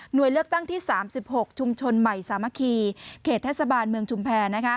โดยเลือกตั้งที่๓๖ชุมชนใหม่สามัคคีเขตเทศบาลเมืองชุมแพร